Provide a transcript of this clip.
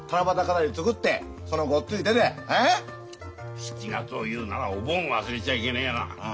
７月を言うならお盆忘れちゃいけねえな。